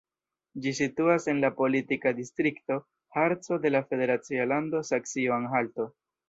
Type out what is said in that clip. Ĝi situas en la politika distrikto Harco de la federacia lando Saksio-Anhalto.